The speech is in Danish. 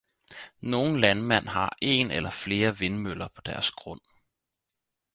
Nogle landmænd har en eller flere vindmøller på deres grund.